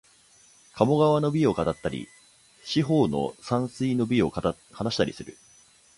鴨川の美を語ったり、四方の山水の美を話したりする